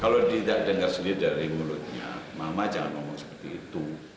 kalau dia nggak denger sendiri dari mulutnya mama jangan ngomong seperti itu